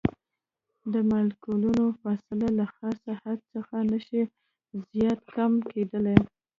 د مالیکول فاصله له خاص حد څخه نشي زیاته کمه کیدلی.